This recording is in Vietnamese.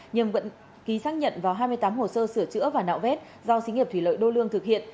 nhưng vẫn ký xác nhận vào hai mươi tám hồ sơ sửa chữa và nạo vét do xí nghiệp thủy lợi đô lương thực thực hiện